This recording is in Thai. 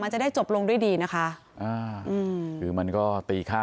จะได้จบลงด้วยดีนะคะอ่าอืมคือมันก็ตีค่า